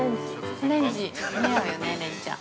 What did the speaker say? ◆オレンジ似合うよね、恋ちゃん。